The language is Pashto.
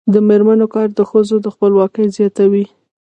د میرمنو کار د ښځو خپلواکي زیاتوي.